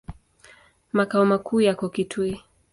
Makao makuu yako Kitui.